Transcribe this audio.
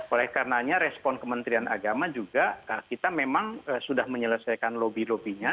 oleh karenanya respon kementerian agama juga kita memang sudah menyelesaikan lobby lobbynya